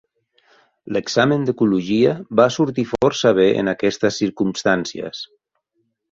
L'examen d'ecologia va sortir força bé en aquestes circumstàncies.